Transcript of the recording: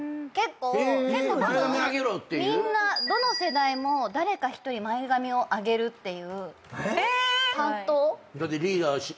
結構たぶんみんなどの世代も誰か１人前髪を上げるっていう。